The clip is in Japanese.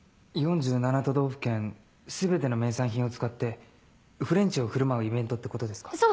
４７都道府県全ての名産品を使ってフレンチを振る舞うイベントってことですか？